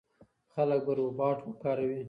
خلک به روباټ وکاروي.